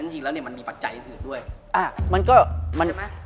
จริงแล้วเนี่ยมันมีปัจจัยอื่นด้วย